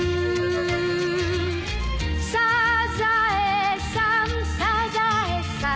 「サザエさんサザエさん」